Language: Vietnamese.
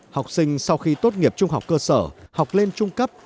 học sinh sau khi tốt nghiệp trung học cơ sở học lên trung cấp